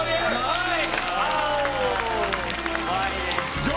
はい！